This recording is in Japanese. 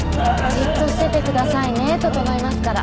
じっとしててくださいね整いますから。